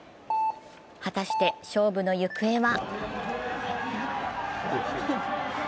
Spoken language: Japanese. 果たして、勝負の行方は？